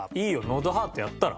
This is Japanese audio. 喉ハートやったら？